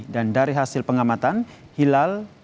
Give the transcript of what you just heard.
dan dari hasil pengamatan hilal diimkan